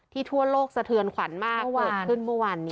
ทั่วโลกสะเทือนขวัญมากเกิดขึ้นเมื่อวานนี้